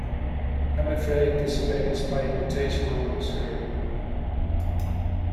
I'm afraid this event is by invitation only, sir.